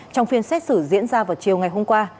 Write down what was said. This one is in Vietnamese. trong phiên xét xử diễn ra vào chiều ngày hôm qua